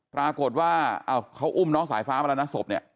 ปรากฏว่าเขาอุ้มน้องสายฟ้ามาแล้วนะศพเนี่ย